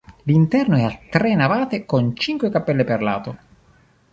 L'interno è a tre navate con cinque cappelle per lato.